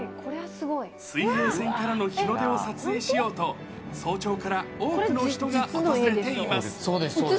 水平線からの日の出を撮影しようと、早朝から多くの人が訪れています。